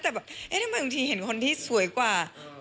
แต่บางทีเห็นคนที่สวยกว่า